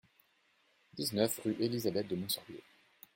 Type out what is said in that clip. dix-neuf rue Elisabeth de Montsorbier